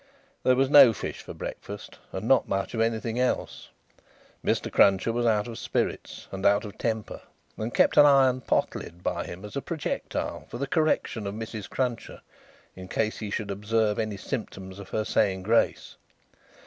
There was no fish for breakfast, and not much of anything else. Mr. Cruncher was out of spirits, and out of temper, and kept an iron pot lid by him as a projectile for the correction of Mrs. Cruncher, in case he should observe any symptoms of her saying Grace.